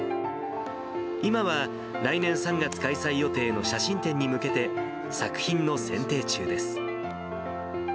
今は来年３月開催予定の写真展に向けて、作品を選定中です。